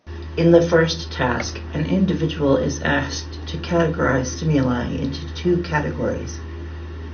In the first task, an individual is asked to categorize stimuli into two categories.